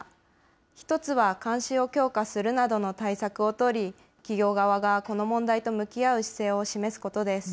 １つは監視を強化するなどの対策を取り、企業側がこの問題と向き合う姿勢を示すことです。